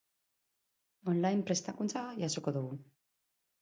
On-line Prestakuntza jasoko dugu.